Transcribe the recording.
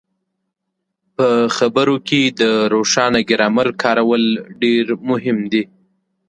په خبرو کې د روښانه ګرامر کارول ډېر مهم دي.